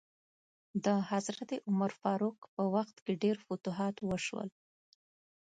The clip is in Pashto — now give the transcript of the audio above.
د حضرت عمر فاروق په وخت کې ډیر فتوحات وشول.